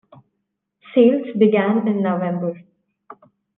Sales began in November.